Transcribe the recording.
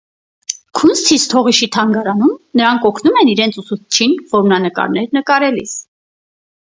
Քունստիսթորիշի թանգարանում նրանք օգնում են իրենց ուսուցչին որմնակնարներ նկարելիս։